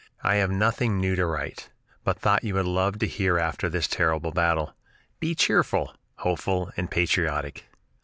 "I have nothing new to write, but thought you would love to hear after this terrible battle. Be cheerful, hopeful and patriotic."